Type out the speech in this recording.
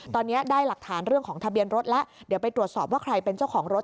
ตอนนี้ได้หลักฐานเรื่องของทะเบียนรถแล้วเดี๋ยวไปตรวจสอบว่าใครเป็นเจ้าของรถ